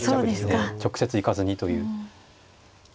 直接行かずにという。